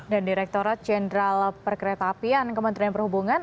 dan direkturat jenderal perkereta apian kementerian perhubungan